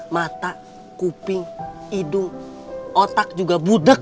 mata kuping hidung otak juga budeg